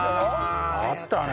あったね。